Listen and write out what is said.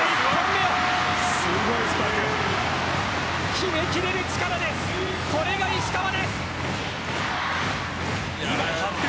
決め切れる力、これが石川です。